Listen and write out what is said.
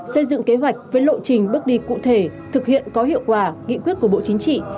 xây dựng kế hoạch với lộ trình bước đi cụ thể thực hiện có hiệu quả nghị quyết của bộ chính trị